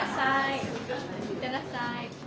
行ってらっしゃい。